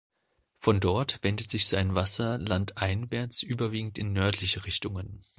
Von dort wendet sich sein Wasser landeinwärts überwiegend in nördliche Richtungen.